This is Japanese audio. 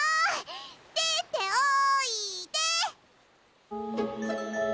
でっておいで！